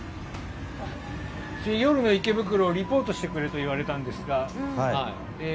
夜の池袋をリポートしてくれと言われたんですが。